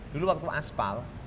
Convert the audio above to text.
dulu waktu asfal